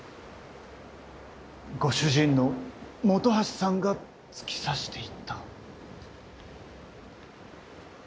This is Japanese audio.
ご主人の本橋さんが突き刺していた。